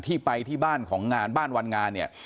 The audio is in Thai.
ไปที่บ้านของงานบ้านวันงานเนี่ย